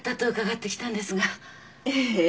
ええ。